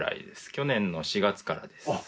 去年の４月からです。